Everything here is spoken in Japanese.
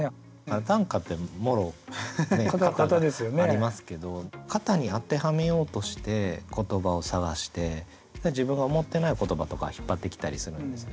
ありますけど型に当てはめようとして言葉を探して自分が思ってない言葉とか引っ張ってきたりするんですよ。